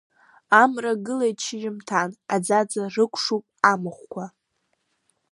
Амра гылеит шьыжьымҭан, аӡаӡа рықәшуп амахәқәа.